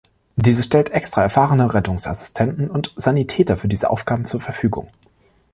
Diese stellt extra erfahrene Rettungsassistenten und -sanitäter für diese Aufgaben zur Verfügung.